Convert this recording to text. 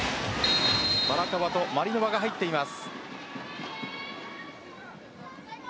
バラクバとマリノバが入っています。